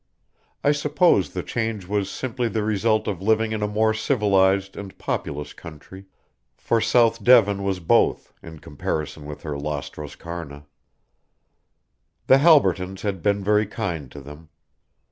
I suppose the change was simply the result of living in a more civilised and populous country, for South Devon was both, in comparison with her lost Roscarna. The Halbertons had been very kind to them.